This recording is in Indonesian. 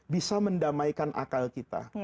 bisa mendamaikan akal kita